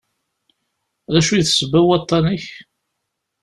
D acu i d ssebba n waṭṭan-ik?